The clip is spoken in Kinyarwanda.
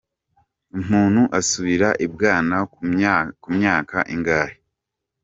Umuntu asubira ibwana ku myaka ingahe?.